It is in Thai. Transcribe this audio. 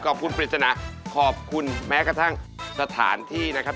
ปริศนาขอบคุณแม้กระทั่งสถานที่นะครับ